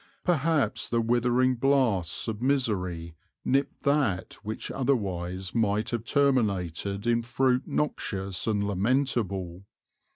Perhaps the withering blasts of misery nipped that which otherwise might have terminated in fruit noxious and lamentable.